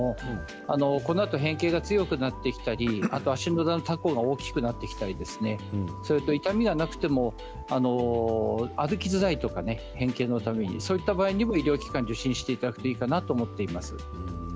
このあと変形が強くなってきたり足裏のたこが大きくなってきたり痛みがなくても歩きづらいとかね、変形のためにそういった場合は医療機関を受診していただければと思います。